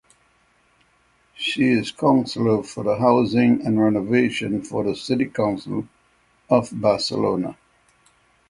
She is Councillor for Housing and Renovation for the City Council of Barcelona.